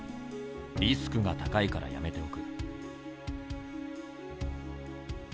リスクが高いから、やめておく。